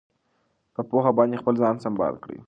په پوهه باندې خپل ځان سمبال کړئ.